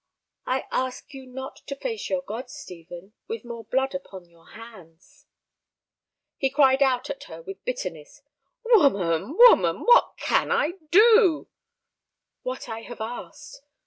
"I ask you not to face your God, Stephen, with more blood upon your hands." He cried out at her with bitterness. "Woman, woman, what can I do?" "What I have asked.